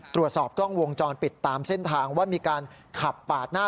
ตรวจสอบกล้องวงจรปิดตามเส้นทางว่ามีการขับปาดหน้า